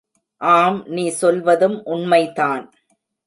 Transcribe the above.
ஆம், நீ சொல்வதும் உண்மைதான்.